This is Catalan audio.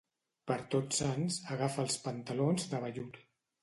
Per Tots Sants, agafa els pantalons de vellut.